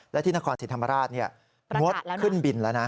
และที่นครศรีธรรมราชงดขึ้นบินแล้วนะ